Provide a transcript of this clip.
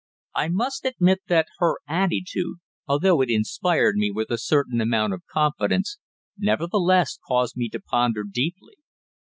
I must admit that her attitude, although it inspired me with a certain amount of confidence, nevertheless caused me to ponder deeply.